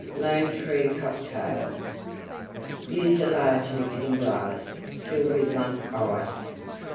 LONE TREE COCKTAIL Use a large Mixing glass; fill with Lump Ice.